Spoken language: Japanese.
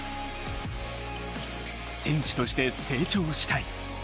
選手として成長したい。